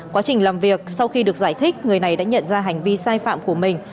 quá trình làm việc sau khi được giải thích người này đã nhận ra hành vi sai phạm của mình